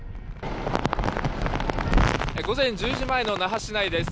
午前１０時前の那覇市内です。